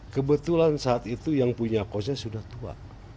kebetulan saat itu yang punya kosnya sudah tua